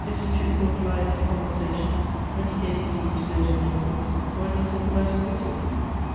Did his true thought lie in his conversations, when he gave me leave to go to Naples, or in his diplomatic missives?